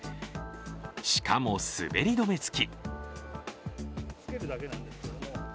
しかも、滑り止めつき。